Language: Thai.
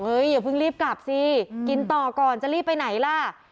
อย่าเพิ่งรีบกลับสิกินต่อก่อนจะรีบไปไหนล่ะ